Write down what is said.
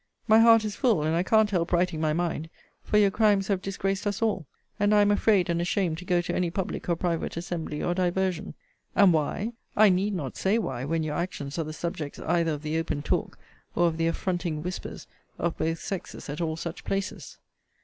My heart is full, and I can't help writing my mind; for your crimes have disgraced us all; and I am afraid and ashamed to go to any public or private assembly or diversion: And why? I need not say why, when your actions are the subjects either of the open talk, or of the affronting whispers, of both sexes at all such places.